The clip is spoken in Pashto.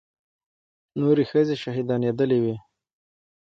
نورې ښځې شهيدانېدلې وې.